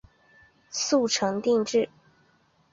遂成定制。